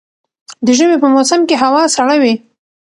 د ژمي په موسم کي هوا سړه وي